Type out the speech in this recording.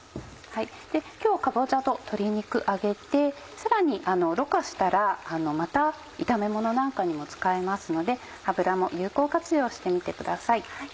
今日かぼちゃと鶏肉揚げてさらにろ過したらまた炒めものなんかにも使えますので油も有効活用してみてください。